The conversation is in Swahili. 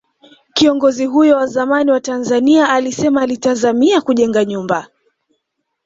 Kiongozi huyo wa zamani wa Tanzania alisema alitazamia kujenga nyumba